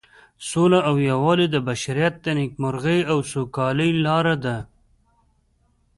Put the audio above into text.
سوله او یووالی د بشریت د نیکمرغۍ او سوکالۍ لاره ده.